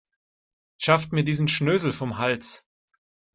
Schafft mir diesen Schnösel vom Hals.